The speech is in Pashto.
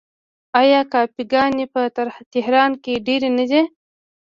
آیا کافې ګانې په تهران کې ډیرې نه دي؟